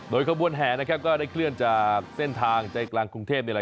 โดยกระบวนแห่ก็ได้เคลื่อนจากเส้นทางใจกลางคุงเทพ